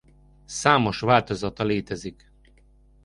Számos változata létezik.